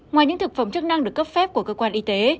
ngoài những thực phẩm chức năng được cấp phép của cơ quan y tế